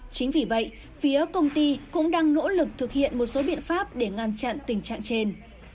chính vì vậy phía công ty cũng đang nỗ lực thực hiện một số biện pháp để ngăn chặn tình trạng trên